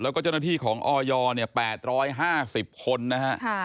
แล้วก็เจ้าหน้าที่ของออย๘๕๐คนนะฮะ